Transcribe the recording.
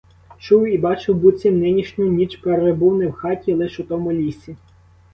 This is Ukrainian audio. Чув і бачив, буцім нинішню ніч перебув не в хаті, лиш у тому лісі.